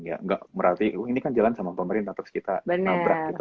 nggak berarti ini kan jalan sama pemerintah terus kita nabrak gitu